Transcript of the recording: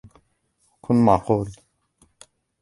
كُن معقول.